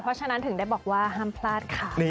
เพราะฉะนั้นถึงได้บอกว่าห้ามพลาดค่ะ